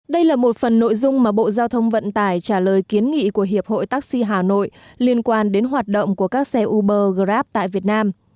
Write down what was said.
đây là một phần nội dung mà bộ giao thông vận tải trả lời kiến nghị của hiệp hội taxi hà nội liên quan đến hoạt động của các xe uber grab tại việt nam